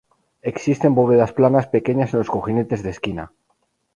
Existen bóvedas planas pequeñas en los cojinetes de esquina.